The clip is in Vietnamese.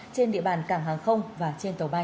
trên địa bàn cảng hàng không và trên tàu bay